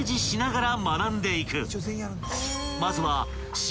［まずは］